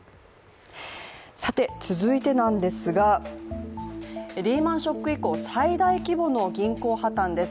続いてなんですが、リーマン・ショック以降最大規模の銀行破たんです。